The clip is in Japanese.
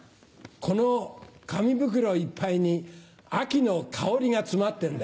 この紙袋いっぱいに秋の薫りが詰まってんだよ。